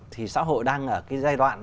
thì xã hội đang ở cái giai đoạn